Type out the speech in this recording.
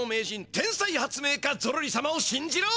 天才発明家ゾロリさまをしんじろ！